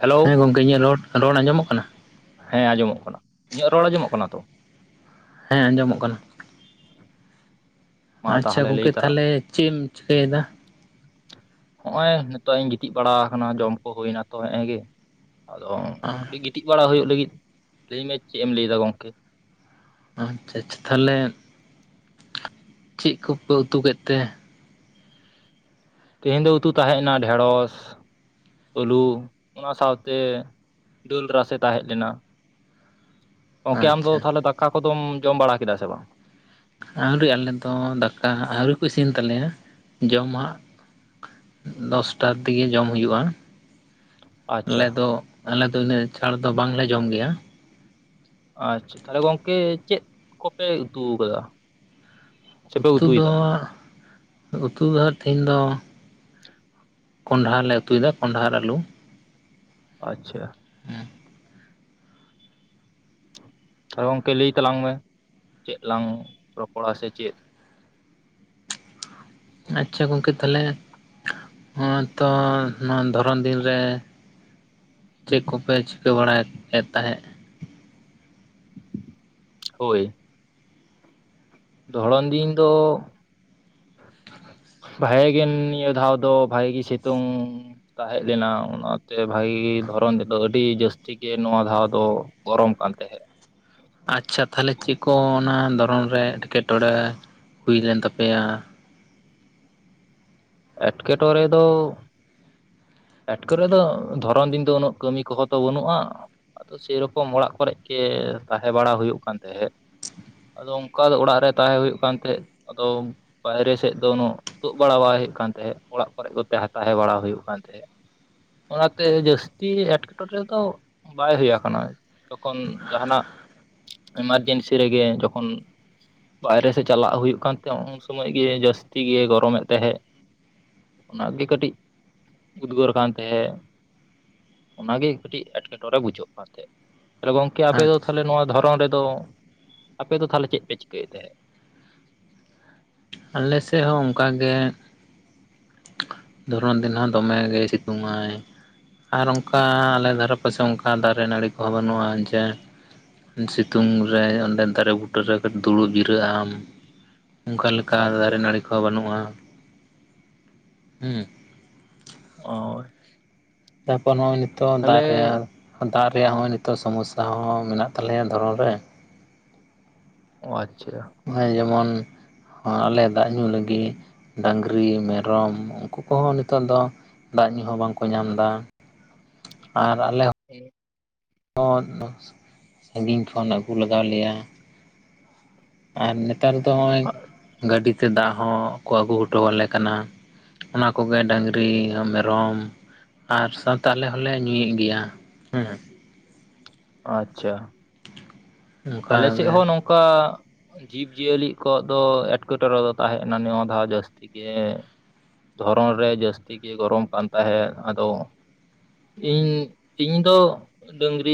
Hello ᱦᱮᱸ ᱜᱚᱢᱠᱮ ᱤᱧᱟᱹᱜ ᱨᱚᱲ ᱨᱚᱲ ᱟᱸᱡᱚᱢᱚᱜ ᱠᱟᱱᱟ ᱦᱮᱸ ᱟᱸᱡᱚᱢᱚᱜ ᱠᱟᱱᱟ ᱤᱧᱟᱹᱜ ᱨᱚᱲ ᱟᱸᱡᱚᱢᱚᱜ ᱠᱟᱱᱟ ᱛᱚ ᱦᱮᱸ ᱟᱸᱡᱚᱢᱚᱜ ᱠᱟᱱᱟ ᱢᱟ ᱟᱪᱷᱟ ᱛᱟᱦᱚᱞᱮ ᱞᱟᱹᱭ ᱜᱚᱝᱠᱮ ᱛᱟᱞᱟᱝ ᱛᱟᱦᱚᱞᱮ ᱪᱮᱫ ᱮᱢ ᱪᱤᱠᱟᱹᱭᱮᱫᱟ ᱦᱚᱜᱼᱚᱭ ᱱᱤᱛᱚᱜ ᱤᱧ ᱜᱤᱛᱤᱡ ᱵᱟᱲᱟ ᱟᱠᱟᱱᱟ ᱡᱚᱢ ᱠᱚ ᱦᱩᱭᱱᱟ ᱛᱚ ᱦᱮᱜᱸᱮ ᱜᱮ ᱟᱫᱚ ᱚ ᱠᱟᱹᱴᱤᱡ ᱜᱤᱛᱤᱡ ᱵᱟᱲᱟ ᱦᱩᱭᱩᱜ ᱞᱟᱹᱜᱤᱫ ᱞᱟᱹᱭ ᱢᱮ ᱪᱮᱫ ᱮᱢ ᱞᱟᱹᱭᱮᱫᱟ ᱜᱚᱝᱠᱮ ᱟᱪᱪᱷᱟ ᱟᱪᱪᱷᱟ ᱛᱟᱦᱚᱞᱮ ᱪᱮᱫ ᱠᱚᱯᱮ ᱩᱛᱩ ᱠᱮᱫ ᱛᱮ ᱛᱮᱦᱤᱧ ᱫᱚ ᱩᱛᱩ ᱛᱟᱦᱮᱸᱜᱱᱟ ᱰᱷᱮᱸᱲᱚᱥ ᱟᱹᱞᱩ ᱚᱱᱟ ᱥᱟᱶᱛᱮ ᱫᱟᱹᱞ ᱨᱟᱥᱮ ᱛᱟᱦᱮᱸ ᱞᱮᱱᱟ ᱜᱚᱝᱠᱮ ᱟᱢ ᱫᱚ ᱟᱪᱪᱷᱟ ᱛᱟᱦᱚᱞᱮ ᱫᱟᱠᱟ ᱠᱚᱫᱚᱢ ᱡᱚᱢ ᱵᱟᱲᱟ ᱠᱮᱫᱟ ᱥᱮ ᱵᱟᱝ ᱟᱹᱣᱨᱤ ᱟᱞᱮᱫ ᱫᱚ ᱫᱟᱠᱟ ᱟᱣᱨᱤ ᱠᱚ ᱤᱥᱤᱱ ᱛᱟᱞᱮᱭᱟ ᱡᱚᱢᱟᱜ ᱫᱚᱥᱴᱟ ᱫᱤᱜᱮ ᱡᱚᱢ ᱦᱩᱭᱩᱜᱼᱟ ᱟᱪᱪᱷᱟ ᱟᱞᱮ ᱫᱚ ᱟᱞᱮ ᱫᱚ ᱤᱱᱟᱹᱜ ᱪᱟᱲ ᱫᱚ ᱵᱟᱝᱞᱮ ᱡᱚᱢ ᱜᱮᱭᱟ ᱟᱪᱪᱷᱟ ᱛᱟᱦᱚᱞᱮ ᱜᱚᱝᱠᱮ ᱪᱮᱫ ᱠᱚᱯᱮ ᱩᱛᱩ ᱟᱠᱟᱫᱟ ᱥᱮᱯᱮ ᱩᱛᱩ ᱫᱚ ᱩᱛᱩᱭᱮᱫᱟ ᱩᱛᱩ ᱫᱚ ᱦᱟᱜ ᱛᱮᱦᱮᱧ ᱫᱚ ᱠᱚᱸᱰᱷᱟ ᱞᱮ ᱩᱛᱩᱭᱮᱫᱟ ᱠᱚᱸᱰᱷᱟ ᱟᱨ ᱟᱞᱩ ᱟᱪᱪᱷᱟ ᱛᱚ ᱜᱚᱝᱠᱮ ᱞᱟᱹᱭ ᱛᱟᱞᱟᱝ ᱢᱮ ᱪᱮᱫ ᱞᱟᱝ ᱨᱚᱯᱚᱲᱟ ᱥᱮ ᱪᱮᱫ ᱟᱪᱪᱷᱟ ᱜᱚᱢᱠᱮ ᱛᱟᱦᱚᱞᱮ ᱦᱚᱸᱛᱚ ᱱᱚᱣᱟ ᱫᱷᱚᱨᱚᱱ ᱫᱤᱱ ᱨᱮ ᱪᱮᱫ ᱠᱚᱯᱮ ᱪᱤᱠᱟᱹ ᱵᱟᱲᱟᱭᱮᱫ ᱛᱟᱦᱮᱸᱫ ᱦᱳᱭ ᱫᱷᱚᱨᱚᱱ ᱫᱤᱱ ᱫᱚ ᱵᱷᱟᱜ ᱜᱮ ᱱᱤᱭᱟᱹ ᱫᱷᱟᱣ ᱫᱚ ᱵᱷᱟᱜᱮᱜ ᱜᱮ ᱥᱤᱛᱩᱝ ᱛᱟᱦᱮᱸ ᱞᱮᱱᱟ ᱚᱱᱟ ᱥᱮ ᱵᱷᱟᱜᱤ ᱫᱷᱚᱨᱚᱱ ᱛᱮᱫᱚ ᱟᱹᱰᱤ ᱡᱟᱹᱥᱛᱤ ᱜᱮ ᱱᱚᱣᱟ ᱫᱷᱟᱣ ᱫᱚ ᱜᱚᱨᱚᱢ ᱠᱟᱱ ᱛᱟᱦᱮᱸᱫ ᱟᱪᱪᱷᱟ ᱛᱟᱦᱚᱞᱮ ᱪᱮᱫ ᱠᱚ ᱚᱱᱟ ᱫᱷᱚᱨᱚᱱ ᱨᱮ ᱮᱴᱠᱮᱴᱚᱬᱮ ᱦᱩᱭ ᱞᱮᱱ ᱛᱟᱯᱮᱭᱟ ᱮᱴᱠᱮᱴᱚᱬᱮ ᱫᱚ ᱮᱴᱠᱮ ᱢᱚᱬᱮ ᱫᱚ ᱫᱷᱚᱨᱚᱱ ᱫᱤᱱ ᱫᱚ ᱩᱱᱟᱹᱜ ᱠᱟᱹᱢᱤ ᱠᱚᱦᱚᱸ ᱛᱚ ᱵᱟᱹᱱᱩᱜᱼᱟ ᱟᱫᱚ ᱥᱮᱨᱚᱠᱚᱢ ᱚᱲᱟᱜ ᱠᱚᱨᱮ ᱜᱮ ᱛᱟᱦᱮᱸ ᱵᱟᱲᱟ ᱦᱩᱭᱩᱜ ᱠᱟᱱ ᱛᱟᱦᱮᱸᱫ ᱟᱫᱚ ᱚᱱᱠᱟ ᱫᱚ ᱚᱲᱟᱜ ᱨᱮ ᱛᱟᱦᱮᱸ ᱦᱩᱭᱩᱜ ᱠᱟᱱ ᱛᱟᱦᱮᱸᱫ ᱟᱫᱚ ᱵᱟᱭᱨᱮ ᱥᱮᱫ ᱫᱚ ᱩᱱᱟᱹᱜ ᱛᱳᱫ ᱵᱟᱲᱟ ᱵᱟᱭ ᱦᱩᱭᱩᱜ ᱠᱟᱱ ᱛᱟᱦᱮᱸᱫ ᱚᱲᱟᱜ ᱠᱚᱨᱮ ᱠᱚᱛᱮ ᱛᱟᱦᱮᱸ ᱵᱟᱲᱟ ᱦᱩᱭᱩᱜ ᱠᱟᱱ ᱛᱟᱦᱮᱸᱫ ᱚᱱᱟᱛᱮ ᱡᱟᱹᱥᱛᱤ ᱮᱴᱠᱮᱴᱚᱬᱮ ᱫᱚ ᱵᱟᱭ ᱦᱩᱭ ᱟᱠᱟᱱᱟ ᱡᱚᱠᱷᱚᱱ ᱡᱟᱦᱟᱱᱟᱜ ᱮᱢᱟᱨᱡᱮᱱᱥᱤ ᱨᱮᱜᱮ ᱡᱚᱠᱷᱚᱱ ᱵᱟᱭᱨᱮ ᱥᱮᱫ ᱪᱟᱞᱟᱜ ᱦᱩᱭᱩᱜ ᱠᱟᱱ ᱛᱟᱦᱮᱸ ᱩᱱ ᱥᱚᱢᱚᱭ ᱜᱮ ᱡᱟᱹᱟᱥᱛᱤ ᱜᱮ ᱜᱚᱨᱚᱢᱮᱫ ᱛᱟᱦᱮᱸᱜ ᱚᱱᱟᱜᱮ ᱠᱟᱹᱴᱤᱡ ᱩᱫᱽᱜᱟᱹᱨ ᱠᱟᱱ ᱛᱟᱦᱮᱸᱫ ᱚᱱᱟᱜᱮ ᱠᱟᱹᱴᱤᱡ ᱮᱴᱠᱮᱴᱚᱲᱮ ᱵᱩᱡᱷᱟᱹᱜ ᱠᱟᱱ ᱛᱟᱦᱮᱸᱫ ᱛᱚ ᱜᱚᱝᱠᱮ ᱟᱯᱮ ᱫᱚ ᱟᱪᱪᱷᱟ ᱛᱟᱦᱚᱞᱮ ᱱᱚᱣᱟ ᱫᱷᱚᱨᱚᱢ ᱨᱮᱫᱚ ᱟᱯᱮ ᱫᱚ ᱛᱟᱦᱚᱞᱮ ᱪᱮᱫ ᱯᱮ ᱪᱤᱠᱟᱹᱭᱮᱫ ᱛᱟᱦᱮᱸᱫ ᱟᱞᱮᱥᱮᱫ ᱦᱚᱸ ᱚᱱᱠᱟᱜᱮ ᱫᱷᱚᱨᱚᱱ ᱫᱤᱱ ᱦᱚᱸ ᱫᱚᱢᱮ ᱜᱮᱭ ᱥᱤᱛᱩᱝ ᱟᱭ ᱟᱨ ᱚᱱᱠᱟ ᱟᱞᱮ ᱫᱷᱟᱨᱮ ᱯᱟᱥᱮ ᱚᱱᱠᱟ ᱫᱟᱨᱮ ᱱᱟᱹᱬᱤ ᱠᱚᱦᱚᱸ ᱵᱟᱹᱱᱩᱜᱼᱟ ᱡᱮ ᱥᱤᱛᱩᱝ ᱨᱮ ᱚᱸᱰᱮ ᱫᱟᱨᱮ ᱵᱩᱴᱟᱹᱨ ᱨᱮ ᱠᱟᱹᱴᱤᱡ ᱫᱩᱲᱩᱵ ᱡᱤᱨᱟᱹᱜ ᱟᱢ ᱚᱱᱠᱟ ᱟᱪᱪᱷᱟ ᱫᱟᱨᱮ ᱱᱟᱹᱬᱤ ᱠᱚᱦᱚ ᱵᱟᱹᱱᱩᱜᱼᱟ ᱦᱩᱸ ᱚᱭ ᱛᱟᱨᱯᱚᱨ ᱱᱚᱜᱼᱚᱭ ᱱᱤᱛᱚᱜ ᱫᱟᱜ ᱨᱮᱭᱟᱲ ᱫᱟᱜ ᱨᱮᱭᱟᱜ ᱦᱚᱸ ᱱᱤᱛᱚᱜ ᱥᱚᱢᱚᱥᱥᱟ ᱦᱚᱸ ᱢᱮᱱᱟᱜ ᱛᱟᱞᱮᱭᱟ ᱫᱷᱚᱨᱚᱱ ᱨᱮ ᱚ ᱟᱪᱪᱷᱟ ᱱᱚᱜᱼᱚᱭ ᱡᱮᱢᱚᱱ ᱟᱞᱮ ᱫᱟᱜ ᱧᱩ ᱞᱟᱹᱜᱤᱫ ᱰᱟᱝᱨᱤ ᱢᱮᱨᱚᱢ ᱩᱱᱠᱩ ᱠᱚᱦᱚᱸ ᱱᱤᱛᱚᱜ ᱫᱚ ᱫᱟᱜ ᱧᱩ ᱦᱚᱸ ᱵᱟᱝᱠᱚ ᱧᱟᱢ ᱮᱫᱟ ᱟᱨ ᱟᱞᱮ ᱦᱚᱸ [inaudible] ᱦᱚᱸ ᱥᱟᱺᱜᱤᱧ ᱠᱷᱚᱱ ᱟᱹᱜᱩ ᱞᱟᱜᱟᱣ ᱞᱮᱭᱟ ᱟᱨ ᱱᱮᱛᱼᱼ ᱱᱮᱛᱚᱜ ᱫᱚ ᱱᱚᱜ ᱚᱭ ᱜᱟᱹᱰᱤ ᱛᱮ ᱫᱟᱜ ᱦᱚᱸ ᱠᱚ ᱟᱹᱜᱩ ᱦᱚᱴᱚ ᱟᱞᱮ ᱠᱟᱱᱟ ᱚᱱᱟ ᱠᱚᱜᱮ ᱰᱟᱝᱨᱤ ᱢᱮᱨᱚᱢ ᱟᱨ ᱥᱟᱶᱛᱮ ᱟᱞᱮ ᱦᱚᱸᱞᱮ ᱧᱩᱭᱮᱫ ᱜᱮᱭᱟ ᱦᱮᱸ ᱟᱪᱪᱷᱟ ᱟᱞᱮ ᱥᱮᱫ ᱚᱱᱠᱟᱜᱮ ᱦᱚᱸ ᱱᱚᱝᱠᱟ ᱡᱤᱵ ᱡᱤᱭᱟᱹᱞᱤ ᱠᱚᱣᱟᱜ ᱫᱚ ᱮᱴᱠᱮᱴᱚᱬᱮ ᱫᱚ ᱛᱟᱦᱮᱸᱜ ᱠᱟᱱᱟ ᱡᱟᱹᱥᱛᱤ ᱜᱮ ᱫᱷᱚᱨᱚᱱ ᱨᱮ ᱡᱟᱹᱥᱛᱤ ᱜᱮ ᱜᱚᱨᱚᱢ ᱠᱟᱱ ᱛᱟᱦᱮᱸᱫ ᱟᱫᱚ ᱤᱧ ᱤᱧ ᱫᱚ ᱰᱟᱹᱝᱨᱤ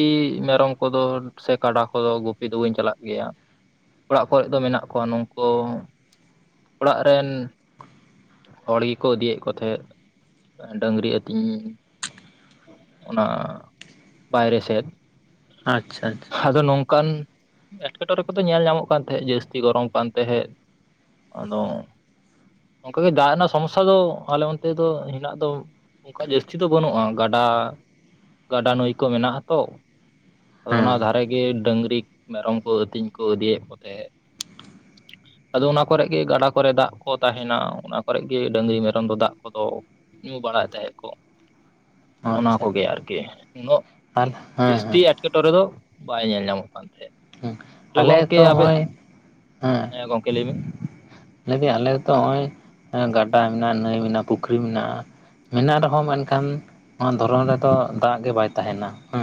ᱢᱮᱨᱚᱢ ᱠᱚᱫᱚ ᱥᱮ ᱠᱟᱰᱟ ᱠᱚᱫᱚ ᱜᱩᱯᱼᱼ ᱯᱤ ᱫᱚ ᱵᱟᱹᱧ ᱪᱟᱞᱟᱜ ᱜᱮᱭᱟ ᱚᱲᱟᱜ ᱠᱚᱨᱮ ᱫᱚ ᱢᱮᱱᱟᱜ ᱠᱚᱣᱟ ᱱᱩᱝᱠᱩ ᱚᱲᱟᱜ ᱨᱮᱱ ᱦᱚᱲ ᱜᱮᱠᱚ ᱤᱫᱤᱭᱮᱫ ᱠᱚ ᱛᱟᱦᱮᱸᱫ ᱰᱟᱹᱝᱨᱤ ᱟᱹᱛᱤᱧ ᱚᱱᱟ ᱵᱟᱭᱨᱮ ᱥᱮᱫ ᱟᱪᱷᱟ ᱟᱪᱷᱟ ᱟᱫᱚ ᱱᱚᱝᱠᱟᱱ ᱮᱸᱴᱠᱮᱴᱚᱬᱮ ᱠᱚᱫᱚ ᱧᱮᱞ ᱧᱟᱢᱚᱜ ᱠᱟᱱ ᱛᱟᱦᱮᱸᱫ ᱡᱟᱹᱥᱛᱤ ᱜᱚᱨᱚᱢ ᱠᱟᱱ ᱛᱟᱦᱮᱸᱫ ᱟᱫᱚ ᱚᱱᱠᱟ ᱜᱮ ᱫᱟᱜ ᱨᱮᱱᱟᱜ ᱥᱚᱢᱚᱥᱥᱟ ᱫᱚ ᱟᱞᱮ ᱚᱱᱛᱮ ᱫᱚ ᱦᱮᱱᱟᱜ ᱫᱚ ᱚᱱᱠᱟ ᱡᱟᱹᱥᱛᱤ ᱫᱚ ᱵᱟᱹᱱᱩᱜᱼᱟ ᱜᱟᱰᱟ ᱜᱟᱰᱟ ᱱᱟᱹᱭ ᱠᱚ ᱢᱮᱱᱟᱜᱼᱟ ᱛᱚ ᱟᱫᱚ ᱚᱱᱟ ᱦᱮᱸ ᱫᱷᱟᱨᱮ ᱜᱮ ᱰᱟᱹᱝᱜᱨᱤ ᱢᱮᱨᱚᱢ ᱠᱚ ᱟᱹᱛᱤᱧ ᱠᱚ ᱤᱫᱤᱭᱮᱫ ᱠᱚ ᱨᱮᱸᱦᱮᱫ [unintelligible] ᱟᱫᱚ ᱚᱱᱟ ᱠᱚᱨᱮ ᱜᱮ ᱜᱟᱰᱟ ᱠᱚᱨᱮ ᱫᱟᱜ ᱠᱚ ᱛᱟᱦᱮᱱᱟ ᱚᱱᱟ ᱠᱚᱨᱮ ᱜᱮ ᱰᱟᱹᱝᱜᱨᱤ ᱢᱮᱨᱚᱢ ᱫᱚ ᱫᱟᱜ ᱠᱚᱫᱚ ᱧᱩ ᱵᱟᱲᱟᱭᱮᱫ ᱛᱟᱦᱮᱫ ᱠᱚ ᱚᱱᱟ ᱟᱪᱪᱷᱟ ᱠᱚᱜᱮ ᱟᱨᱠᱤ ᱩᱱᱟᱹᱜ ᱟᱨ ᱦᱮᱸ ᱡᱟᱹᱥᱛᱤ ᱮᱴᱠᱮᱴᱚᱬᱮ ᱫᱚ ᱵᱟᱭ ᱧᱮᱞ ᱧᱟᱢᱚᱜ ᱠᱟᱱ ᱛᱟᱦᱮᱸᱫ ᱛᱟᱦᱞᱮ ᱟᱞᱮᱭᱟᱜ ᱜᱚᱝᱠᱮ ᱛᱚ ᱟᱯᱮ ᱚᱜᱼᱚᱭ ᱦᱮᱸ ᱜᱚᱢᱠᱮ ᱞᱟᱹᱭ ᱵᱤᱱ ᱞᱟ. ᱭ ᱟᱞᱮ ᱫᱚ ᱱᱚᱜ ᱚᱭ ᱜᱟᱰᱟ ᱢᱮᱱᱟᱜᱼᱟ ᱱᱟᱹᱭ ᱢᱮᱱᱟᱜᱼᱟ ᱯᱩᱠᱷᱨᱤ ᱢᱮᱱᱟᱜᱼᱟ ᱢᱮᱱᱟᱜ ᱨᱮᱦᱚᱸ ᱢᱮᱱᱠᱷᱟᱱ ᱱᱚᱣᱟ ᱫᱷᱚᱨᱚᱢ ᱨᱮᱫᱚ ᱫᱟᱜ ᱜᱮ ᱵᱟᱭ ᱛᱟᱦᱮᱱᱟ ᱦᱮ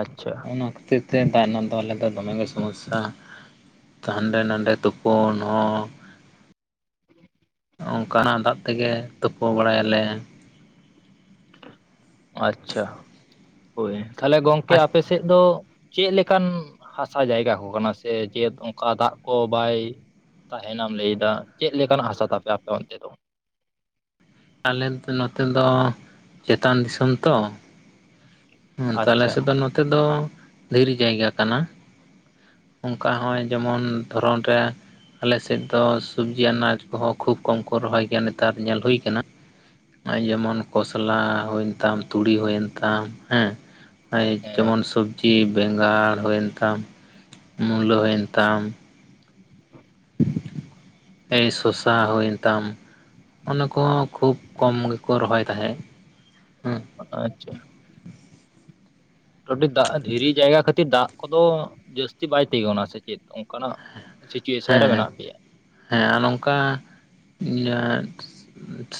ᱟᱪᱷᱟ ᱚᱱᱟ ᱠᱷᱟᱹᱛᱤᱨ ᱛᱮ ᱫᱟᱜ ᱨᱮᱱᱟᱜ ᱫᱚ ᱟᱞᱮ ᱫᱚ ᱫᱚᱢᱮ ᱜᱮ ᱥᱚᱢᱚᱥᱥᱟ ᱦᱟᱸᱰᱮ ᱱᱟᱰᱮ ᱛᱩᱯᱩᱱ ᱦᱚᱸ ᱚᱱᱠᱟᱱᱟᱜ ᱫᱟᱜ ᱛᱮᱜᱮ ᱛᱩᱯᱩ ᱵᱟᱲᱟᱭᱟᱞᱮ ᱟᱪᱪᱷᱟ ᱦᱳᱭ ᱛᱟᱦᱞᱮ ᱜᱚᱝᱠᱮ ᱟᱨ ᱟᱯᱮ ᱥᱮᱫ ᱫᱚ ᱪᱮᱫ ᱞᱮᱠᱟᱱ ᱦᱟᱥᱟ ᱡᱟᱭᱜᱟ ᱠᱚ ᱠᱟᱱᱟ ᱥᱮ ᱪᱮᱫ ᱚᱱᱠᱟ ᱫᱟᱜ ᱠᱚ ᱵᱟᱭ ᱛᱟᱦᱮᱸᱱᱟᱢ ᱞᱟᱹᱭᱮᱫᱟ ᱪᱮᱫ ᱞᱮᱠᱟᱱ ᱦᱟᱥᱟ ᱛᱟᱯᱮ ᱟᱯᱮ ᱚᱱᱛᱮ ᱫᱚ ᱟᱞᱮ ᱱᱚᱛᱮ ᱫᱚ ᱪᱮᱛᱟᱱ ᱫᱤᱥᱚᱢ ᱛᱚ ᱦᱸ ᱟᱞᱮ ᱟᱪᱪᱷᱟ ᱥᱮᱫ ᱫᱚ ᱱᱚᱛᱮ ᱫᱚ ᱫᱷᱤᱨᱤ ᱡᱟᱭᱜᱟ ᱠᱟᱱᱟ ᱚᱱᱠᱟ ᱦᱚᱸᱭ ᱡᱮᱢᱚᱱ ᱫᱷᱚᱨᱚᱱ ᱨᱮ ᱟᱞᱮᱥᱮᱫ ᱫᱚ ᱥᱚᱵᱡᱤ ᱟᱱᱟᱡ ᱠᱚᱦᱚᱸ ᱠᱷᱩᱵ ᱠᱚᱢ ᱠᱚ ᱨᱚᱦᱚᱭ ᱜᱮᱭᱟ ᱱᱮᱛᱟᱨ ᱧᱮᱞ ᱦᱩᱭ ᱠᱟᱱᱟ ᱱᱚᱜᱼᱚᱭ ᱡᱮᱢᱚᱱ ᱠᱷᱚᱥᱞᱟ ᱦᱩᱭᱮᱱ ᱛᱟᱢ ᱛᱩᱲᱤ ᱦᱩᱭᱮᱱ ᱛᱟᱢ ᱦᱮᱸ ᱦᱮᱸ ᱡᱮᱢᱚᱱ ᱥᱚᱵᱽᱡᱤ ᱵᱮᱸᱜᱟᱲ ᱦᱩᱭᱮᱱ ᱛᱟᱢ ᱢᱩᱞᱟᱹ ᱦᱩᱭᱮᱱ ᱛᱟᱢ ᱮᱭ ᱥᱚᱥᱟ ᱦᱩᱭᱮᱱ ᱛᱟᱢ ᱚᱱᱟ ᱠᱚᱦᱚᱸ ᱠᱷᱩᱵ ᱠᱚᱢ ᱜᱮᱠᱚ ᱨᱚᱦᱚᱭ ᱛᱟᱦᱮᱸᱫ ᱦᱮ ᱟᱪᱷᱟ ᱫᱟᱜ ᱫᱷᱤᱨᱤ ᱡᱟᱭᱜᱟ ᱠᱷᱟᱹᱛᱤᱨ ᱫᱟᱜ ᱠᱚᱫᱚ ᱡᱟᱹᱥᱛᱤ ᱵᱟᱭ ᱛᱤᱜᱩᱱᱟ ᱥᱮ ᱪᱮᱫ ᱚᱱᱠᱟᱱᱟᱜ ᱥᱤᱪᱩᱭ ᱥᱮᱱ ᱨᱮ ᱦᱮᱸ ᱢᱮᱱᱟᱜ ᱯᱮᱭᱟ ᱦᱮᱸ ᱟᱨ ᱱᱚᱝᱠᱟ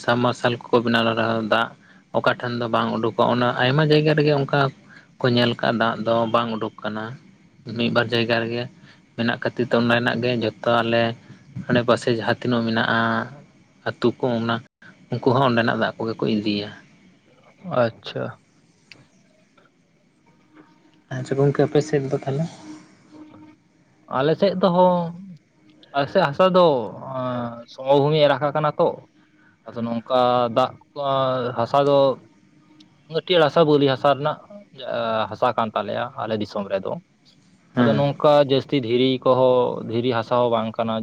ᱥᱟᱵ ᱢᱟᱨᱥᱟᱞ ᱠᱚᱠᱚ ᱵᱮᱱᱟᱣ ᱫᱟᱜ ᱚᱠᱟ ᱴᱷᱮᱱ ᱫᱚ ᱵᱟᱝ ᱩᱰᱩᱠᱚᱜᱼᱟ ᱚᱱᱟ ᱟᱭᱢᱟ ᱡᱟᱭᱜᱟ ᱨᱮᱜᱮ ᱚᱱᱠᱟ ᱠᱚ ᱧᱮᱞ ᱟᱠᱟᱫ ᱫᱟᱜ ᱫᱚ ᱵᱟᱝ ᱩᱰᱩᱠ ᱟᱠᱟᱱᱟ ᱢᱤᱫ ᱵᱟᱨ ᱡᱟᱭᱜᱟ ᱨᱮᱜᱮ ᱢᱮᱱᱟᱜ ᱠᱷᱟᱹᱛᱤᱨ ᱛᱮ ᱚᱸᱰᱮᱱᱟᱜ ᱜᱮ ᱡᱚᱛᱚ ᱟᱞᱮ ᱟᱰᱮᱯᱟᱥᱮ ᱡᱟᱦᱟᱸ ᱛᱤᱱᱟᱹᱜ ᱢᱮᱱᱟᱜᱼᱟ ᱟᱹᱛᱩ ᱠᱚ ᱚᱱᱟ ᱩᱱᱠᱩ ᱦᱚᱸ ᱚᱸᱰᱮᱱᱟᱜ ᱫᱟᱜ ᱠᱚᱜᱮ ᱠᱚ ᱤᱫᱤᱭᱟ ᱟᱪᱷᱟ ᱟᱪᱪᱷᱟ ᱜᱚᱝᱠᱮ ᱟᱯᱮ ᱥᱮᱫ ᱫᱚ ᱛᱟᱦᱚᱞᱮ ᱟᱞᱮ ᱥᱮᱫ ᱛᱚᱦᱚ ᱟᱥᱮᱫ ᱦᱟᱥᱟ ᱫᱚ ᱥᱚᱢᱚᱵᱷᱩᱢᱤᱭ ᱮ ᱨᱟᱠᱟ ᱠᱟᱱᱟ ᱛᱚ ᱟᱫᱚ ᱱᱚᱝᱠᱟ ᱫᱟᱜ ᱦᱟᱥᱟ ᱫᱚ ᱢᱟ. ᱴᱤᱭᱟ. ᱲ ᱦᱟᱥᱟ ᱵᱩᱞᱞᱤ ᱦᱟᱥᱟ ᱨᱮᱱᱟᱜ ᱦᱟᱥᱟ ᱠᱟᱱ ᱛᱟᱞᱮᱭᱟ ᱟᱞᱮ ᱫᱤᱥᱚᱢ ᱨᱮᱫᱚ ᱟᱫᱚ ᱦᱮᱸ ᱱᱚᱝᱠᱟ ᱡᱟᱹᱥᱛᱤ ᱫᱷᱤᱨᱤ ᱠᱚᱦᱚᱸ ᱫᱷᱤᱨᱤ ᱦᱟᱥᱟ ᱦᱚᱸ ᱵᱟᱝ ᱠᱟᱱᱟ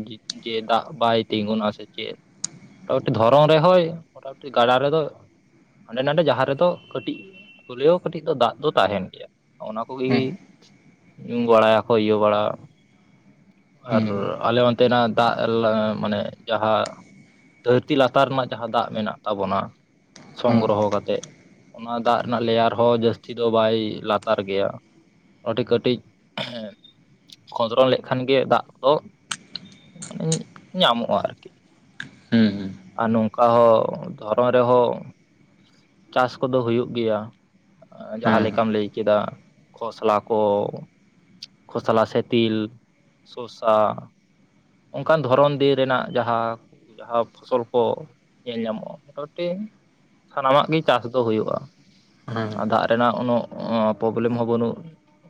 ᱡᱮ ᱫᱟᱜ ᱵᱟᱭ ᱛᱤᱜᱩᱱ ᱟ ᱥᱮ ᱪᱮᱫ ᱢᱚᱴᱟᱢᱩᱴᱤ ᱫᱷᱚᱨᱚᱢ ᱨᱮ ᱦᱚᱭ ᱢᱚᱴᱟᱢᱩᱴᱤ ᱜᱟᱰᱟ ᱨᱮᱫᱚ ᱦᱟᱸᱰᱮ ᱱᱟᱰᱮ ᱡᱟᱦᱟᱸ ᱨᱮᱫᱚ ᱠᱟᱹᱴᱤᱡ ᱦᱳᱞᱮᱣᱳ ᱠᱟᱹᱴᱤᱡ ᱫᱚ ᱫᱟᱜ ᱫᱚ ᱛᱟᱦᱮᱱ ᱜᱮᱭᱟ ᱚᱱᱟ ᱠᱚᱜᱮ ᱦᱮᱸ ᱧᱩᱢ ᱵᱟᱲᱟᱭᱟᱠᱚ ᱤᱭᱟᱹ ᱵᱟᱲᱟ ᱟᱨ ᱦᱮᱸ ᱟᱞᱮ ᱚᱱᱛᱮ ᱛᱮᱱᱟᱜ ᱫᱟᱜ ᱢᱟᱱᱮ ᱡᱟᱦᱟᱸ ᱫᱷᱟᱹᱨᱛᱤ ᱞᱟᱛᱟᱨ ᱨᱮᱱᱟᱜ ᱡᱟᱦᱟᱸ ᱫᱟᱜ ᱢᱮᱱᱟᱜ ᱛᱟᱵᱚᱱᱟ ᱦᱮᱸ ᱥᱚᱝᱜᱨᱚᱦᱚ ᱠᱟᱛᱮᱫ ᱚᱱᱟ ᱫᱟᱜ ᱨᱮᱱᱟᱜ ᱞᱮᱭᱟᱨ ᱦᱚᱸ ᱡᱟᱹᱥᱛᱤ ᱫᱚ ᱵᱟᱭ ᱞᱟᱛᱟᱨ ᱜᱮᱭᱟ ᱴᱤ ᱠᱟᱹᱴᱤᱡ ᱦᱮᱸ ᱠᱷᱚᱸᱫᱽᱨᱚᱱ ᱞᱮᱠᱷᱟᱱ ᱜᱮ ᱫᱟᱜ ᱫᱚ ᱢᱟᱱᱮ ᱧᱟᱢᱚᱜᱼᱟ ᱟᱨᱠᱤ ᱦᱮᱸ ᱦᱮᱸ ᱟᱨ ᱱᱚᱝᱠᱟ ᱦᱚᱸ ᱫᱷᱚᱨᱚᱱ ᱨᱮᱦᱚᱸ ᱪᱟᱥ ᱠᱚᱫᱚ ᱦᱩᱭᱩᱜ ᱜᱮᱭᱟ ᱡᱟᱦᱟᱸ ᱦᱩᱸ ᱞᱮᱠᱟᱢ ᱞᱟᱹᱭ ᱠᱮᱫᱟ ᱠᱷᱚᱥᱞᱟ ᱠᱚ ᱠᱷᱳᱥᱟᱞᱟ ᱥᱮ ᱛᱤᱞ ᱥᱳᱥᱟ ᱚᱱᱠᱟᱱ ᱫᱷᱚᱨᱚᱱ ᱫᱤᱱ ᱨᱮᱱᱟᱜ ᱡᱟᱦᱟᱸ ᱡᱟᱦᱟᱸ ᱯᱷᱚᱥᱚᱞ ᱠᱚ ᱧᱮᱞ ᱧᱟᱢᱚᱜᱼᱟ ᱢᱚᱴᱟᱢᱩᱴᱤ ᱥᱟᱱᱟᱢᱟᱜ ᱜᱮ ᱪᱟᱥ ᱫᱚ ᱦᱳᱭᱳᱜᱼᱟ ᱦᱩᱸ ᱟᱨ ᱫᱟᱜ ᱨᱮᱱᱟᱜ ᱩᱱᱟᱹᱜ ᱯᱨᱚᱵᱞᱮᱢ ᱦᱚᱸ ᱵᱟᱹᱱᱩᱜ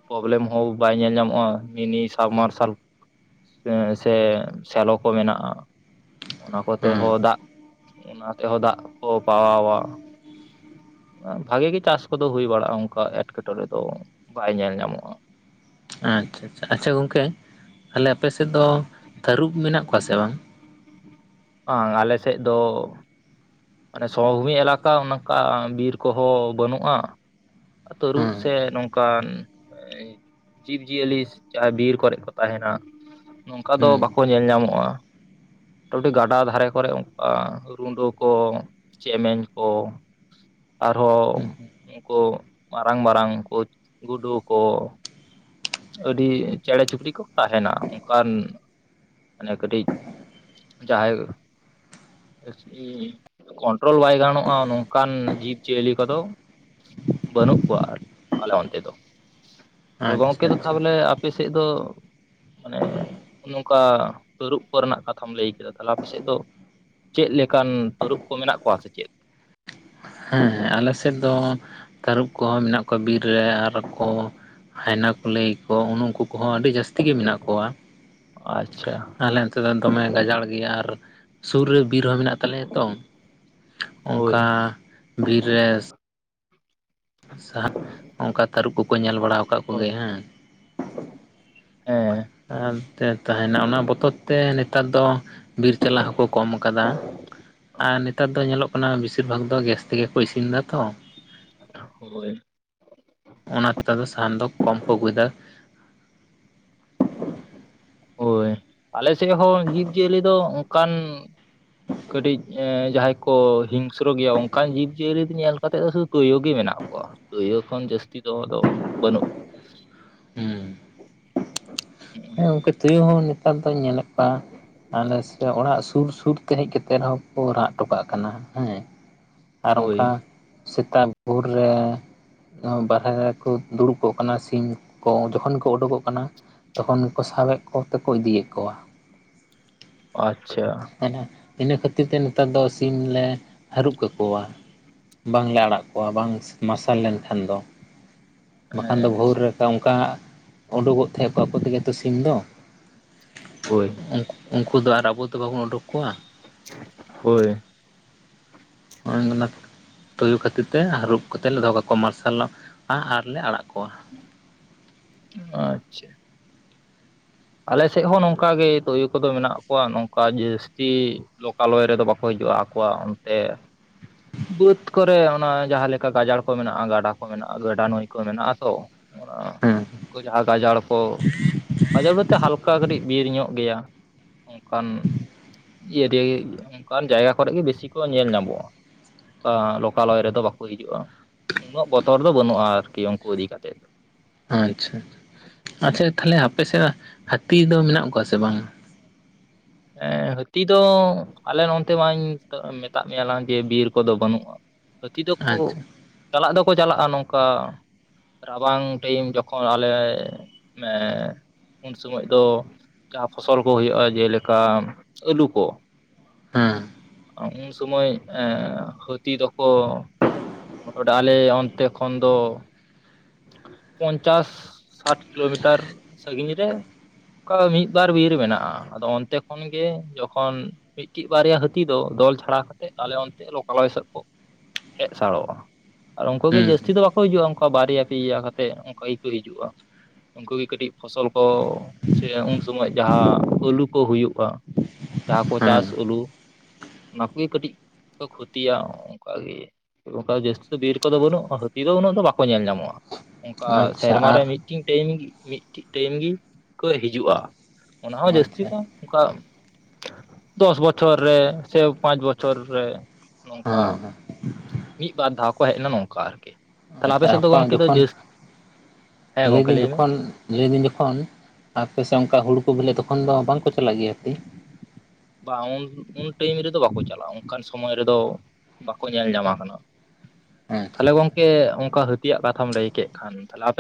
ᱯᱨᱚᱵᱞᱮᱢ ᱦᱚᱸ ᱵᱟᱭ ᱧᱮᱞ ᱧᱟᱢᱚᱜᱼᱟ ᱢᱤᱱᱤ ᱥᱟᱵ ᱢᱟᱨᱥᱟᱞ ᱥᱮ ᱥᱮᱞᱚ ᱠᱚ ᱢᱮᱱᱟᱜᱼᱟ ᱚᱱᱟ ᱠᱚᱛᱮ ᱦᱩᱸ ᱦᱚᱸ ᱫᱟᱜ ᱚᱱᱟ ᱛᱮᱦᱚᱸ ᱫᱟᱜ ᱠᱚ ᱯᱟᱣᱟᱣᱟ ᱵᱷᱟᱜᱮ ᱜᱮ ᱪᱟᱥ ᱠᱚᱫᱚ ᱦᱩᱭ ᱵᱟᱲᱟᱜᱼᱟ ᱚᱱᱠᱟ ᱮᱴᱠᱮᱴᱚᱬᱮ ᱫᱚ ᱵᱟᱭ ᱧᱮᱞ ᱧᱟᱢᱚᱜᱼᱟ ᱟᱪᱪᱷᱟ ᱪᱷᱟ ᱟᱪᱪᱷᱟ ᱜᱚᱝᱠᱮ ᱛᱟᱦᱞᱮ ᱟᱯᱮ ᱥᱮᱫ ᱫᱚ ᱛᱟᱹᱨᱩᱵ ᱢᱮᱱᱟᱜ ᱠᱚᱣᱟ ᱥᱮ ᱵᱟᱝ ᱵᱟᱝ ᱟᱞᱮᱥᱮᱫ ᱫᱚ ᱢᱟᱱᱮ ᱥᱚᱢᱵᱷᱩᱢᱤ ᱮᱞᱟᱠᱟ ᱚᱱᱠᱟ ᱵᱤᱨ ᱠᱚᱦᱚᱸ ᱵᱟᱹᱱᱩᱜᱼᱟ ᱛᱟᱹᱨᱩᱵ ᱦᱮᱸ ᱥᱮ ᱱᱚᱝᱠᱟᱱ ᱡᱤᱵᱽᱡᱤᱭᱟᱹᱞᱤ ᱡᱟᱦᱟᱸᱭ ᱵᱤᱨ ᱠᱚᱨᱮᱜ ᱠᱚ ᱛᱟᱦᱮᱱᱟ ᱱᱚᱝᱠᱟ ᱫᱚ ᱦᱩᱸ ᱵᱟᱠᱚ ᱧᱮᱞ ᱧᱟᱢᱚᱜᱼᱟ ᱢᱚᱴᱟᱢᱩᱴᱤ ᱜᱟᱰᱟ ᱫᱷᱟᱨᱮ ᱠᱚᱨᱮ ᱚᱱᱠᱟ ᱨᱩᱰᱟᱹ ᱠᱚ ᱠᱚ ᱪᱮᱢᱮᱧ ᱠᱚ ᱟᱨᱦᱚᱸ ᱦᱩᱸ ᱩᱱᱠᱩ ᱢᱟᱨᱟᱝ ᱢᱟᱨᱟᱝ ᱠᱚ ᱜᱩᱰᱩ ᱠᱚ ᱟᱹᱰᱤ ᱪᱮᱬᱮ ᱪᱩᱯᱲᱤ ᱠᱚ ᱛᱟᱦᱮᱱᱟ ᱚᱱᱠᱟᱱ ᱢᱟᱱᱮ ᱠᱟᱹᱴᱤᱡ ᱡᱟᱦᱟᱸᱭ [inaudible] ᱠᱚᱱᱴᱨᱳᱞ ᱵᱟᱭ ᱜᱟᱱᱚᱜᱼᱟ ᱱᱚᱝᱠᱟᱱ ᱡᱤᱵᱽ ᱡᱤᱭᱟᱹᱞᱤ ᱠᱚᱫᱚ ᱵᱟᱹᱱᱩᱜ ᱠᱚᱣᱟ ᱟᱞᱮ ᱚᱱᱛᱮ ᱫᱚ ᱜᱚᱝᱠᱮ ᱟᱪᱪᱷᱟ ᱫᱚ ᱟᱪᱪᱷᱟ ᱛᱟᱦᱚᱞᱮ ᱟᱯᱮᱥᱮᱫ ᱫᱚ ᱢᱟᱱᱮ ᱱᱚᱝᱠᱟ ᱛᱟᱹᱨᱩᱵ ᱠᱚ ᱨᱮᱱᱟᱜ ᱠᱟᱛᱷᱟᱢ ᱞᱟᱹᱭ ᱠᱮᱫᱟ ᱛᱟᱞᱦᱮ ᱟᱯᱮ ᱥᱮᱫ ᱫᱚ ᱪᱮᱫ ᱞᱮᱠᱟᱱ ᱛᱚᱨᱩᱯ ᱠᱚ ᱢᱮᱱᱟᱜ ᱠᱚᱣᱟ ᱥᱮ ᱪᱮᱫ ᱦᱮᱸ ᱦᱮᱸ ᱟᱞᱮ ᱥᱮᱫ ᱫᱚ ᱛᱟᱹᱨᱩᱵ ᱠᱚᱦᱚᱸ ᱢᱮᱱᱟᱜ ᱠᱚᱣᱟ ᱵᱤᱨ ᱨᱮ ᱟᱨ ᱠᱚ ᱦᱟᱭᱱᱟ ᱠᱩᱞᱟᱹᱭ ᱠᱚ ᱩᱱ ᱩᱱᱠᱩ ᱠᱚᱦᱚᱸ ᱟᱹᱰᱤ ᱡᱟᱹᱥᱛᱤ ᱜᱮ ᱢᱮᱱᱟᱜ ᱠᱚᱣᱟ ᱟᱪᱪᱷᱟ ᱛᱞᱮ ᱚᱱᱛᱮ ᱫᱚ ᱫᱚᱢᱮ ᱜᱟᱡᱟᱲ ᱜᱮᱭᱟ ᱟᱨ ᱥᱩᱨ ᱨᱮ ᱵᱤᱨ ᱦᱚᱸ ᱢᱮᱱᱟᱜ ᱛᱟᱞᱮᱭᱟ ᱛᱚ ᱦᱳᱭ ᱚᱝᱠᱟ ᱵᱤᱨ ᱨᱮ ᱥᱟᱦᱟᱜ ᱚᱱᱠᱟ ᱛᱟᱹᱨᱩᱵ ᱠᱚᱠᱚ ᱧᱮᱞ ᱵᱟᱲᱟ ᱟᱠᱟᱫ ᱠᱚᱜᱮ ᱦᱳᱭ ᱦᱮᱸ ᱦᱮᱸ ᱟᱨ ᱛᱮ ᱛᱟᱦᱮᱸᱱᱟ ᱚᱱᱟ ᱵᱚᱛᱚᱨ ᱛᱮ ᱱᱮᱛᱟᱨ ᱫᱚ ᱵᱤᱨ ᱪᱟᱞᱟ ᱦᱚᱸᱠᱚ ᱠᱚᱢ ᱟᱠᱟᱫᱟ ᱟᱨ ᱱᱮᱛᱟᱨ ᱫᱚ ᱧᱮᱞᱚᱜ ᱚᱱᱟ ᱵᱮᱥᱤᱨ ᱵᱷᱟᱜᱽ ᱫᱚ ᱜᱮᱥ ᱛᱮᱜᱮ ᱠᱚ ᱤᱥᱤᱱ ᱫᱚ ᱛᱚ ᱦᱳᱭ ᱚᱱᱟ ᱛᱮᱫᱚ ᱥᱟᱦᱟᱱ ᱫᱚ ᱠᱚᱢ ᱠᱚ ᱟᱹᱜᱩᱭᱮᱫᱟ ᱦᱳᱭ ᱟᱞᱮ ᱥᱮᱫ ᱦᱚᱸ ᱡᱤᱵᱽᱼᱡᱤᱭᱟᱹᱞᱤ ᱫᱚ ᱚᱱᱠᱟᱱ ᱠᱟᱹᱴᱤᱡ ᱡᱟᱦᱟᱸᱭ ᱠᱚ ᱦᱤᱝᱥᱨᱚ ᱜᱮᱭᱟ ᱚᱱᱠᱟᱱ ᱡᱤᱵ ᱡᱤᱭᱟᱹᱞᱤ ᱧᱮᱞ ᱠᱟᱛᱮᱜ ᱫᱚ ᱥᱩᱫᱩ ᱛᱩᱭᱩ ᱜᱮ ᱢᱮᱱᱟᱜ ᱠᱚᱣᱟ ᱛᱳᱭᱳ ᱠᱷᱚᱱ ᱡᱟᱹᱥᱛᱤ ᱫᱚᱦᱚ ᱫᱚ ᱵᱟᱹᱱᱩᱜᱼᱼ ᱦᱩᱸ ᱦᱩᱸ ᱦᱮᱸ ᱜᱚᱝᱠᱮ ᱛᱩᱭᱩ ᱦᱚᱸ ᱱᱮᱛᱟᱨ ᱫᱚᱧ ᱧᱮᱞᱮᱫ ᱠᱚᱣᱟ ᱟᱞᱮ ᱥᱮ ᱚᱲᱟᱜ ᱥᱩᱨ ᱥᱩᱨ ᱛᱮ ᱦᱮᱡ ᱠᱟᱛᱮᱜ ᱨᱮᱦᱚᱸᱠᱚ ᱨᱟᱜ ᱴᱚᱠᱟᱹᱜ ᱠᱟᱱᱟ ᱦᱮᱸ ᱠᱚᱣᱟ᱾ ᱟᱨ ᱦᱳᱭ ᱚᱝᱠᱟ ᱥᱮᱛᱟᱜ ᱵᱷᱳᱨ ᱨᱮ ᱵᱟᱦᱨᱮ ᱨᱮ ᱠᱚ ᱫᱩᱲᱩᱵ ᱠᱚᱜ ᱠᱟᱱᱟ ᱥᱤᱢ ᱠᱚ ᱡᱚᱠᱷᱚᱱ ᱠᱚ ᱚᱰᱳᱠᱚᱜ ᱠᱟᱱᱟ ᱛᱚᱠᱷᱚᱱ ᱜᱮᱠᱚ ᱥᱟᱵᱮᱫ ᱠᱚᱛᱮ ᱠᱚ ᱤᱫᱤᱭᱮᱫ ᱠᱚᱣᱟ ᱟᱪᱪᱷᱟ ᱦᱮᱸ ᱤᱱᱟᱹ ᱠᱷᱟᱹᱛᱤᱨ ᱛᱮ ᱱᱮᱛᱟᱨ ᱫᱚ ᱥᱤᱢ ᱞᱮ ᱦᱟᱹᱨᱩᱵ ᱠᱟᱠᱚᱣᱟ ᱵᱟᱝᱞᱮ ᱟᱲᱟᱜ ᱠᱚᱣᱟ ᱵᱟᱝ ᱢᱟᱨᱥᱟᱞ ᱞᱮᱱᱠᱷᱟᱱ ᱫᱚ ᱵᱟᱠᱷᱟᱱ ᱫᱚ ᱦᱮᱸ ᱵᱷᱳᱨ ᱨᱮ ᱚᱝᱠᱟ ᱚᱸᱰᱚᱠᱚᱜ ᱛᱮᱦᱮᱫ ᱠᱚ ᱟᱠᱚ ᱛᱮᱜᱮ ᱛᱚ ᱥᱤᱢ ᱫᱚ ᱦᱳᱭ ᱩᱱᱠᱩ ᱫᱚ ᱟᱨ ᱟᱵᱚ ᱫᱚ ᱵᱟᱵᱚᱱ ᱩᱰᱩᱠ ᱠᱚᱣᱟ [inaudible] [unintelligible] ᱛᱩᱭᱩ ᱠᱷᱟᱹᱛᱤᱨ ᱛᱮ ᱦᱟᱹᱨᱩᱵ ᱠᱟᱛᱮᱫ ᱞᱮ ᱫᱚᱦᱚ ᱠᱟᱠᱚᱣᱟ ᱢᱟᱨᱥᱟᱞᱚᱜ-ᱟ ᱟᱨᱞᱮ ᱟᱲᱟᱜ ᱠᱚᱣᱟ ᱟᱪᱪᱷᱟ ᱟᱞᱮᱥᱮᱫ ᱦᱚᱸ ᱱᱚᱝᱠᱟ ᱜᱮ ᱛᱚᱭᱳ ᱠᱚᱫᱚ ᱢᱮᱱᱟᱜ ᱠᱚᱣᱟ ᱱᱚᱝᱠᱟ ᱡᱟᱹᱥᱛᱤ ᱞᱳᱠᱟᱞᱳᱭ ᱨᱮᱫᱚ ᱵᱟᱠᱚ ᱦᱤᱡᱩᱜᱼᱟ ᱟᱠᱚᱣᱟᱜ ᱚᱱᱛᱮ ᱵᱟᱹᱫᱽ ᱠᱚᱨᱮ ᱚᱱᱟ ᱡᱟᱦᱟᱸᱞᱮᱠᱟ ᱜᱟᱡᱟᱲ ᱠᱚ ᱢᱮᱱᱟᱜᱼᱟ ᱜᱟᱰᱟ ᱠᱚ ᱢᱮᱱᱟᱜᱼᱟ ᱜᱟᱰᱟ ᱱᱟᱹᱭ ᱠᱚ ᱢᱮᱱᱟᱜᱼᱟ ᱛᱚ ᱚᱱᱟ ᱦᱮᱸ ᱡᱟᱦᱟᱸ ᱜᱟᱡᱟᱲ ᱠᱚ ᱜᱟᱡᱟᱲ ᱵᱚᱞᱚᱛᱮ ᱦᱟᱞᱠᱟ ᱠᱟᱹᱴᱤᱡ ᱵᱤᱨ ᱧᱚᱜ ᱜᱮᱭᱟ ᱚᱱᱠᱟᱱ ᱤᱭᱟ ᱫᱤᱭᱟᱹ ᱜᱤ ᱚᱱᱠᱟᱱ ᱡᱟᱭᱜᱟ ᱠᱚᱨᱮ ᱜᱮ ᱵᱮᱥᱤ ᱠᱚ ᱧᱮᱞ ᱧᱟᱢᱚᱜᱼᱟ ᱞᱳᱠᱟᱞᱳᱚᱭ ᱨᱮᱫᱚ ᱵᱟᱠᱚ ᱦᱤᱡᱩᱜᱼᱟ ᱩᱱᱟᱹᱜ ᱵᱚᱛᱚᱨ ᱫᱚ ᱵᱟᱹᱱᱩᱜᱼᱟ ᱟᱨᱠᱤ ᱩᱱᱠᱩ ᱤᱫᱤ ᱠᱟᱛᱮᱫ ᱟᱪᱪᱷᱟ ᱟᱪᱪᱷᱟ ᱛᱟᱦᱚᱞᱮ ᱟᱯᱮᱥᱮᱫ ᱦᱟᱹᱛᱤ ᱫᱚ ᱢᱮᱱᱟᱜ ᱠᱚᱣᱟ ᱥᱮ ᱵᱟᱝᱼᱟ? ᱦᱮᱸ ᱦᱟᱹᱛᱤ ᱫᱚ ᱟᱞᱮ ᱱᱚᱱᱛᱮ ᱢᱟᱧ ᱢᱮᱛᱟᱫ ᱢᱮᱭᱟ ᱞᱟᱝ ᱡᱮ ᱵᱤᱨ ᱠᱚᱫᱚ ᱵᱟᱹᱱᱩᱜᱼᱟ ᱦᱟᱹᱛᱤ ᱫᱚᱠᱚ ᱟᱪᱪᱷᱟ ᱪᱟᱞᱟᱜ ᱫᱚᱠᱚ ᱪᱟᱞᱟᱜᱼᱟ ᱱᱚᱝᱠᱟ ᱨᱟᱵᱟᱝ ᱴᱟᱭᱤᱢ ᱡᱚᱠᱷᱚᱱ ᱟᱞᱮ ᱩᱱ ᱥᱚᱢᱚᱭ ᱫᱚ ᱡᱟᱦᱟᱸ ᱯᱷᱚᱥᱚᱞ ᱠᱚ ᱦᱩᱭᱩᱜᱼᱟ ᱡᱮᱞᱮᱠᱟ ᱟᱹᱞᱩ ᱠᱚ ᱦᱮᱸ ᱩᱱ ᱥᱚᱢᱚᱭ ᱦᱟᱹᱛᱤ ᱫᱚᱠᱚ ᱢᱳᱴᱟᱢᱩᱴᱤ ᱟᱞᱮ ᱚᱱᱛᱮ ᱠᱷᱚᱱ ᱫᱚ ᱯᱚᱧᱪᱟᱥ ᱥᱟᱴ ᱠᱤᱞᱳᱢᱤᱴᱟᱨ ᱥᱟᱜᱤᱧ ᱨᱮ ᱚᱱᱠᱟ ᱢᱤᱫ ᱵᱟᱨ ᱵᱤᱨ ᱢᱮᱱᱟᱜᱼᱟ ᱟᱫᱚ ᱚᱱᱛᱮ ᱠᱷᱚᱱ ᱜᱮ ᱡᱚᱠᱷᱚᱱ ᱢᱤᱫᱴᱤᱡ ᱵᱟᱨᱭᱟ ᱦᱟᱹᱛᱤ ᱛᱤ ᱫᱚ ᱫᱚᱞ ᱪᱷᱟᱲᱟ ᱠᱟᱛᱮᱫ ᱟᱞᱮ ᱚᱱᱛᱮ ᱞᱳᱠᱟᱞᱳᱚᱭ ᱥᱮᱫ ᱠᱚ ᱦᱮᱡ ᱥᱟᱲᱚᱜᱼᱟ ᱟᱨ ᱩᱱᱠᱩ ᱜᱮ ᱦᱮᱸ ᱡᱟᱹᱥᱛᱤ ᱫᱚ ᱵᱟᱠᱚ ᱦᱤᱡᱩᱜᱼᱟ ᱚᱝᱠᱟᱹ ᱵᱟᱨᱭᱟ ᱯᱮᱭᱟᱹ ᱠᱟᱛᱮᱫ ᱚᱝᱠᱟ ᱜᱮᱠᱚ ᱦᱤᱡᱩᱜᱼᱟ ᱩᱱᱠᱩ ᱜᱮ ᱠᱟᱹᱴᱤᱡ ᱯᱷᱚᱥᱚᱞ ᱠᱚ ᱥᱮ ᱩᱱ ᱥᱚᱢᱚᱭ ᱡᱟᱦᱟᱸ ᱟᱹᱞᱩ ᱠᱚ ᱦᱩᱭᱩᱜᱼᱟ ᱡᱟᱦᱟᱸ ᱠᱚ ᱦᱮᱸ ᱪᱟᱥ ᱟᱹᱞᱩ ᱱᱟᱯᱮ ᱠᱟᱹᱴᱤᱡ ᱠᱚ ᱠᱷᱚᱛᱤᱭᱟ ᱚᱱᱠᱟ ᱜᱮ᱾ ᱚᱱᱠᱟ ᱡᱟᱹᱥᱛᱤ ᱫᱚ ᱵᱤᱨ ᱠᱚᱫᱚ ᱵᱟᱹᱱᱩᱜ ᱦᱟᱹᱛᱤ ᱫᱚ ᱩᱱᱟᱹᱜ ᱫᱚ ᱵᱟᱠᱚ ᱧᱮᱞ ᱧᱟᱢᱚᱜᱼᱟ᱾ ᱚᱱᱠᱟ ᱟᱪᱪᱷᱟ ᱥᱮᱨᱢᱮ ᱨᱮ ᱟᱨ ᱢᱤᱫᱴᱤᱱ ᱴᱟᱭᱤᱢ ᱜᱤ ᱢᱤᱫᱴᱤᱡ ᱴᱟᱭᱤᱢ ᱜᱤ ᱠᱚ ᱦᱤᱡᱩᱜᱼᱟ᱾ ᱚᱱᱟ ᱦᱚᱸ ᱡᱟᱹᱥᱛᱤ ᱟᱪᱪᱷᱟ ᱠᱟᱢ ᱚᱱᱠᱟ ᱫᱚᱥ ᱵᱚᱪ ᱵᱚᱪᱷᱚᱨ ᱨᱮ ᱥᱮ ᱯᱟᱸᱪ ᱵᱚᱪᱷᱚᱨ ᱨᱮ ᱱᱚᱝᱠᱟ ᱦᱮᱸ ᱦᱮᱸ ᱢᱤᱫ ᱵᱟᱨ ᱫᱷᱟᱣ ᱠᱚ ᱦᱮᱡ ᱞᱮᱱᱟ ᱱᱚᱝᱠᱟ ᱟᱨᱠᱤ ᱛᱟᱦᱞᱮ ᱟᱯᱮ ᱟᱪᱪᱷᱟ ᱥᱮᱫ ᱫᱚ ᱚᱠᱟ ᱜᱚᱢᱠᱮ ᱫᱚ ᱡᱚᱠᱷᱚᱱ ᱡᱟᱹᱥᱛᱤ ᱞᱟᱹᱭᱫᱟᱹᱧ ᱡᱚᱠᱷᱚᱱ ᱞᱟᱹᱭᱫᱤᱧ ᱡᱚᱠᱷᱚᱱ ᱟᱯᱮᱥᱮ ᱚᱱᱠᱟ ᱦᱩᱲᱩ ᱠᱚ ᱵᱮᱞᱮᱜᱼᱟ ᱛᱚᱠᱷᱚᱱ ᱫᱚ ᱵᱟᱝᱠᱚ ᱪᱟᱞᱟᱜ ᱜᱮᱭᱟ ᱦᱟ. ᱛᱤ ᱵᱟᱝ ᱩᱱ ᱩᱱ ᱴᱟᱹᱭᱤᱢ ᱨᱮᱫᱚ ᱵᱟᱠᱚ ᱪᱟᱞᱟᱜᱼᱟ ᱚᱱᱠᱟᱱ ᱥᱚᱢᱚᱭ ᱨᱮᱫᱚ ᱵᱟᱠᱚ ᱧᱮᱞ ᱧᱟᱢ ᱟᱠᱟᱱᱟ ᱟᱪᱪᱷᱟ ᱛᱟᱦᱚᱞᱮ ᱟᱪᱪᱷᱟ ᱜᱚᱝᱠᱮ ᱚᱝᱠᱟ ᱦᱟᱹᱛᱤᱭᱟᱜ ᱠᱟᱛᱷᱟᱢ ᱞᱟᱹᱭ ᱠᱮᱜ ᱠᱷᱟᱱ ᱟᱯᱮ